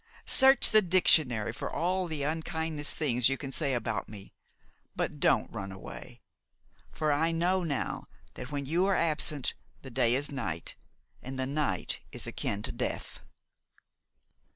Search the dictionary for all the unkindest things you can say about me; but don't run away ... for I know now that when you are absent the day is night and the night is akin to death."